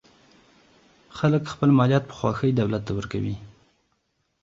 خلک خپل مالیات په خوښۍ دولت ته ورکوي.